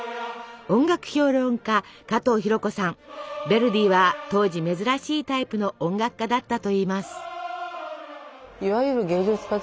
ヴェルディは当時珍しいタイプの音楽家だったといいます。